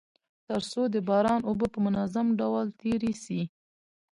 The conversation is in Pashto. تر څو د باران اوبه په منظم ډول تيري سي.